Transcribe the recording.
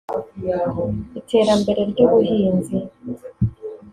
iterambere ry’ubuhinzi